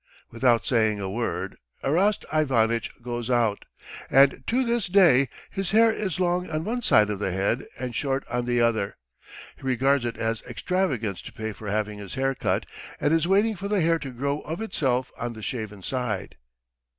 Without saying a word Erast Ivanitch goes out, and to this day his hair is long on one side of the head and short on the other. He regards it as extravagance to pay for having his hair cut and is waiting for the hair to grow of itself on the shaven side.